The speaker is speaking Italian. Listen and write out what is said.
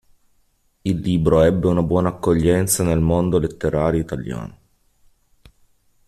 Il libro ebbe una buona accoglienza nel mondo letterario italiano.